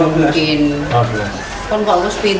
kamu ditangkap di mana mas